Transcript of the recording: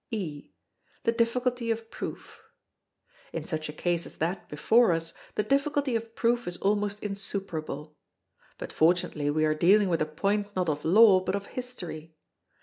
E. THE DIFFICULTY OF PROOF In such a case as that before us the difficulty of proof is almost insuperable. But fortunately we are dealing with a point not of law but of history.